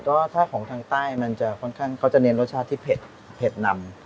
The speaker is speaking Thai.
ก็ถ้าของทางใต้มันจะค่อนข้างเขาจะเน้นรสชาติที่เผ็ดนำ